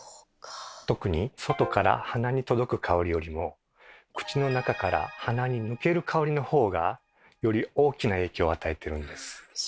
特に「外から鼻に届く香り」よりも「口の中から鼻に抜ける香り」のほうがより大きな影響を与えているんです。